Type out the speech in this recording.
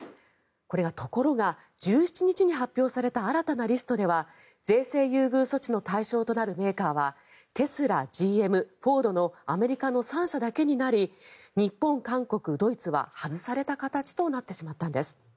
ところが１７日に発表された新たなリストでは税制優遇措置の対象となるメーカーはテスラ、ＧＭ、フォードのアメリカの３社だけになり日本、韓国、ドイツは外された形となってしまったんです。